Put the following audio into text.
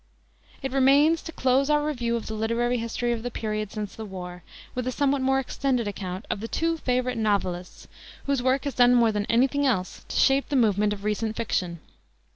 It remains to close our review of the literary history of the period since the war with a somewhat more extended account of the two favorite novelists whose work has done more than any thing else to shape the movement of recent fiction.